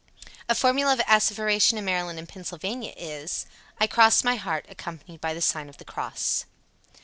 _ 61. A formula of asseveration in Maryland and Pennsylvania is, "I cross my heart," accompanied by the sign of the cross.